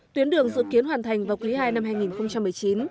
tuyến đường dự kiến hoàn thành vào quý ii năm hai nghìn một mươi chín